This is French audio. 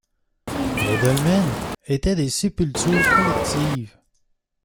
Les dolmens étaient des sépultures collectives.